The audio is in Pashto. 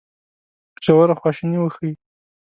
ژوره خواشیني وښيي.